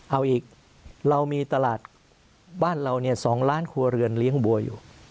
เอาอีกเรามีตลาดบ้านเรา๒ล้านครัวเรือนเลี้ยงบัวอยู่